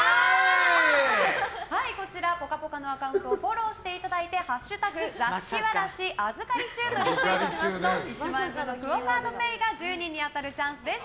こちら、「ぽかぽか」のアカウントをフォローしていただいて「＃座敷わらし預かり中」とリツイートしていただくと１万円分のＱＵＯカードＰａｙが１０人に当たるチャンスです。